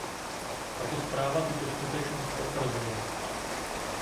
Tato zpráva tuto skutečnost potvrzuje.